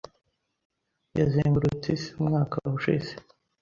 Yazengurutse isi umwaka ushize.